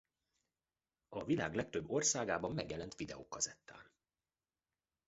A világ legtöbb országában megjelent videókazettán.